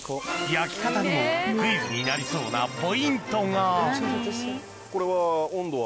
焼き方にもクイズになりそうなポイントがこれは。